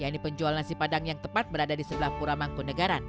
yang dipenjual nasi padang yang tepat berada di sebelah pura mangkunegara